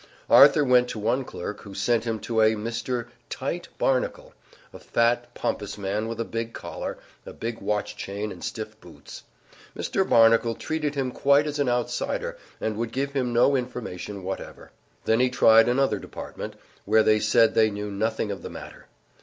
Arthur went to one clerk, who sent him to a Mr. Tite Barnacle, a fat, pompous man with a big collar, a big watch chain and stiff boots. Mr. Barnacle treated him quite as an outsider and would give him no information whatever. Then he tried another department, where they said they knew nothing of the matter.